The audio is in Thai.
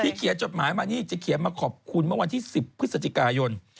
เขียนจดหมายมานี่จะเขียนมาขอบคุณเมื่อวันที่๑๐พฤศจิกายน